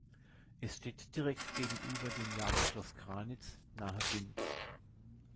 Es steht direkt gegenüber dem Jagdschloss Granitz nahe Binz.